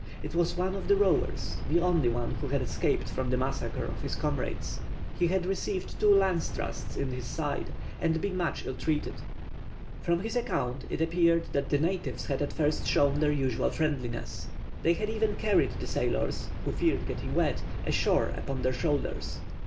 It was one of the rowers, the only one who had escaped from the massacre of his comrades. He had received two lance thrusts in the side, and been much ill treated. [Illustration: "The only one who had escaped."] From his account, it appeared that the natives had at first shown their usual friendliness. They had even carried the sailors, who feared getting wet, ashore upon their shoulders.